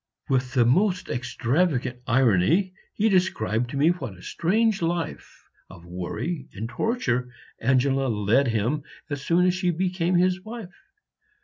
With the most extravagant irony he described to me what a strange life of worry and torture Angela led him as soon as she became his wife.